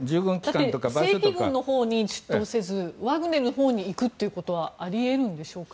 正規軍のほうに出頭せずワグネルのほうに行くということはあり得るんでしょうか。